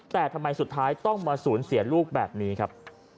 แต่ทำไมสุดท้ายต้องมาสูญเสียลูกแบบนี้ครับ